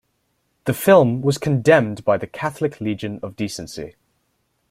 The film was condemned by the Catholic Legion of Decency.